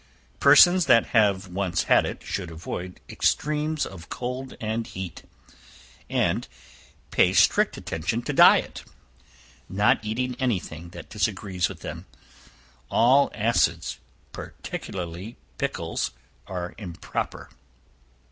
Persons that have once had it, should avoid extremes of heat and cold, and pay strict attention to diet not eating any thing that disagrees with them. All acids, particularly pickles, are improper.